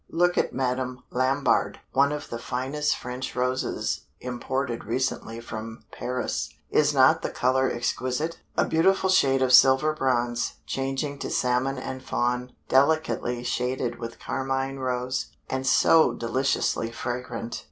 Look at Madame Lambard, one of the finest French roses imported recently from Paris. Is not the color exquisite a beautiful shade of silver bronze, changing to salmon and fawn, delicately shaded with carmine rose. And so deliciously fragrant!